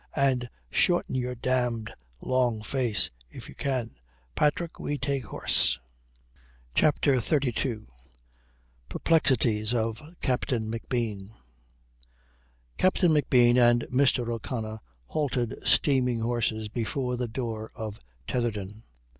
And shorten your damned long face, if you can. Patrick, we take horse." CHAPTER XXXII PERPLEXITIES OF CAPTAIN McBEAN Captain McBean and Mr. O'Connor halted steaming horses before the door of Tetherdown.